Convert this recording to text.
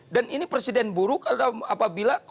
dan ini presiden buruk apabila khususnya